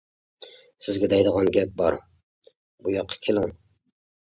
سىزگە دەيدىغان گەپ بار، بۇياققا كېلىڭ.